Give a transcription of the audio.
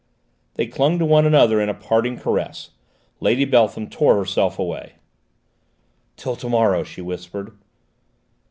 They clung to one another in a parting caress. Lady Beltham tore herself away. "Till to morrow!" she whispered.